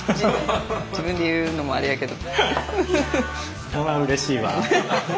自分で言うのもあれやけど。